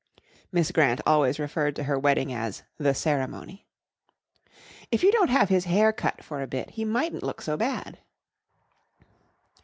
(Miss Grant always referred to her wedding as "the ceremony.") "If you don't have his hair cut for a bit, he mightn't look so bad?"